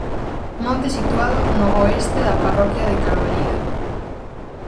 Monte situado no oeste da parroquia de Carballido.